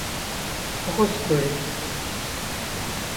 Kuxuskuri.